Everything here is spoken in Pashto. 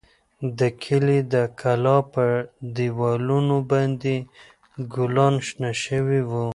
د کلي د کلا په دېوالونو باندې ګلان شنه شوي وو.